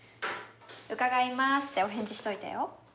伺いますってお返事しといたよ。